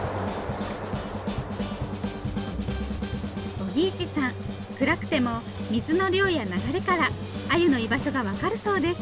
扇一さん暗くても水の量や流れからアユの居場所が分かるそうです。